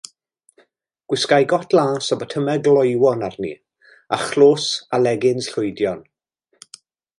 Gwisgai got las a botymau gloywon arni, a chlos a legins llwydion.